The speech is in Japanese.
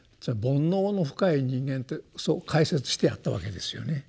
煩悩の深い人間ってそう解説してあったわけですよね。